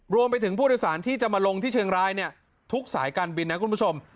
รวมไปถึงผู้โดยสารที่จะมาลงที่เชียงรายเนี่ยทุกสายการบินนะคุณผู้ชม